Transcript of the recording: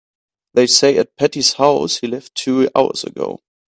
They say at Patti's house he left two hours ago.